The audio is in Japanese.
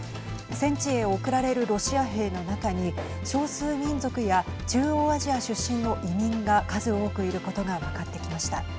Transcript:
戦地へ送られるロシア兵の中に少数民族や中央アジア出身の移民が数多くいることが分かってきました。